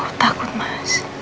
aku takut mas